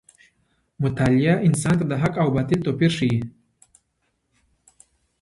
مطالعه انسان ته د حق او باطل توپیر ښيي.